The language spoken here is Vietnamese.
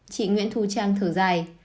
chị nguyễn thu trang thử dài